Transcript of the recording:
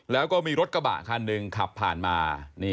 แล้วก็มีรถกระบะคันหนึ่งขับผ่านมา